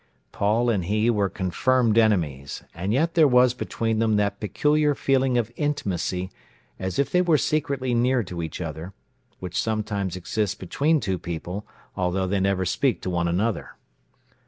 Paul and he were confirmed enemies, and yet there was between them that peculiar feeling of intimacy, as if they were secretly near to each other, which sometimes exists between two people, although they never speak to one another.